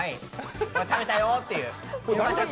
食べたよっていう。